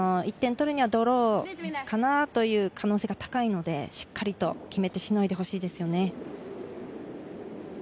１点取るにはドローかなという可能性が高いので、しっかり決めてしのいでほしいですね。